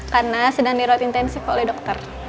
karena sedang di route intensif oleh dokter